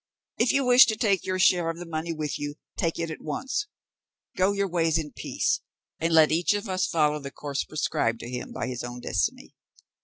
If you wish to take your share of the money with you, take it at once; go your ways in peace, and let each of us follow the course prescribed to him by his own destiny."